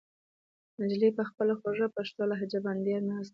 نجلۍ په خپله خوږه پښتو لهجه باندې ډېر ناز کاوه.